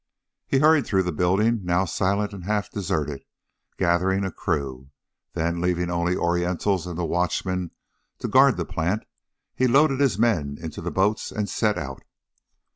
He hurried through the building, now silent and half deserted, gathering a crew; then, leaving only the Orientals and the watchman to guard the plant, he loaded his men into the boats and set out.